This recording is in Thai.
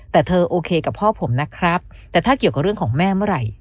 แต่เธอโอเคกับพ่อผมนะครับแต่ถ้าเกี่ยวกับเรื่องของแม่เมื่อไหร่